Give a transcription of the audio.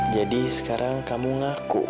jadi sekarang kamu ngaku